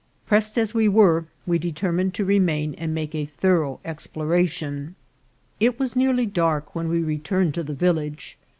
Pressed as we were, we deter mined to remain and make a thorough exploration. It was nearly dark when we returned to the village.